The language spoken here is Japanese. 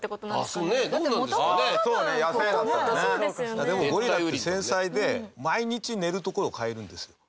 堤：でも、ゴリラって繊細で毎日寝る所を変えるんですよ。